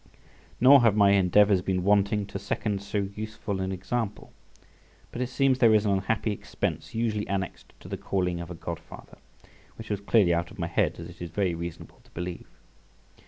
Nor have my endeavours been wanting to second so useful an example, but it seems there is an unhappy expense usually annexed to the calling of a godfather, which was clearly out of my head, as it is very reasonable to believe.